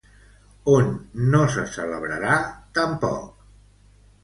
On no se celebrarà, tampoc?